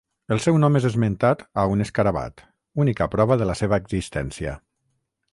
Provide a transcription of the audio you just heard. El seu nom és esmentat a un escarabat, única prova de la seva existència.